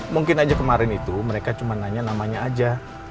mungkin aja kemarin itu mereka cuma nanya namanya aja